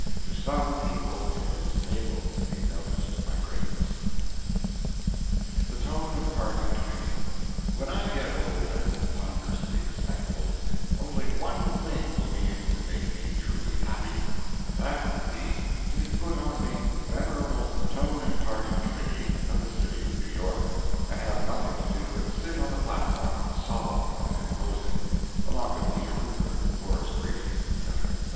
To some people it is fatal to be noticed by greatness. THE TONE IMPARTING COMMITTEE When I get old and ponderously respectable, only one thing will be able to make me truly happy, and that will be to be put on the Venerable Tone Imparting committee of the city of New York, and have nothing to do but sit on the platform, solemn and imposing, along with Peter Cooper, Horace Greeley, etc., etc.